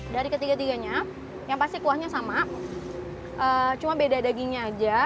dari ketiga tiganya yang pasti kuahnya sama cuma beda dagingnya aja